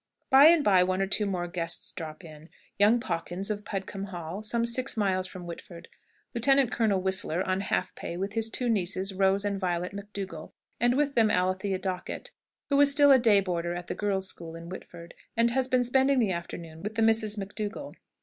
By and by, one or two more guests drop in: young Pawkins, of Pudcombe Hall, some six miles from Whitford; Lieutenant Colonel Whistler, on half pay, with his two nieces, Rose and Violet McDougall; and with them Alethea Dockett, who is still a day boarder at a girls' school in Whitford, and has been spending the afternoon with the Misses McDougall.